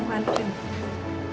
kalo papa udah sampe rumah